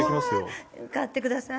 買ってください。